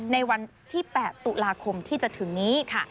ในวันที่๘ตุลาคมที่จะถึงนี้ค่ะ